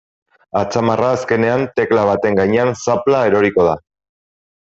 Atzamarra azkenean tekla baten gainean zapla eroriko da.